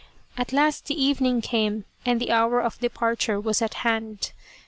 At last the evening came and the hour of departure was at hand.